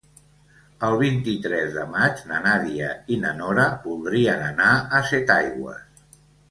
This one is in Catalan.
El vint-i-tres de maig na Nàdia i na Nora voldrien anar a Setaigües.